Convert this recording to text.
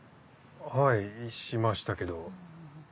はいしましたけど。